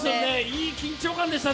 いい緊張感でした。